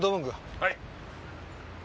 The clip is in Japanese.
はい？